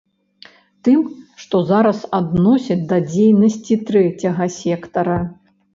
Тым, што зараз адносяць да дзейнасці трэцяга сектара.